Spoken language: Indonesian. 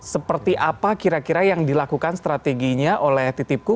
seperti apa kira kira yang dilakukan strateginya oleh titipku